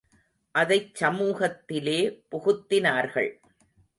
அதைச் சமூகத்திலே புகுத்தினார்கள்.